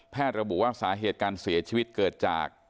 ระบุว่าสาเหตุการเสียชีวิตเกิดจาก